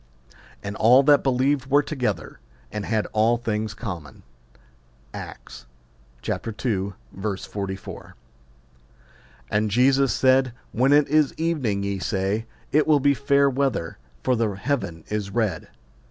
And all that believed were together, and had all things common. Acts ii. 44. And Jesus said, When it is evening, ye say, It will be fair weather : for the heaven is red.